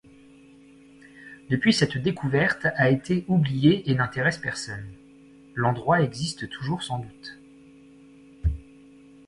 Depuis cette découverte a été oubliée et n’intéresse personne... l'endroit existe toujours sans doute...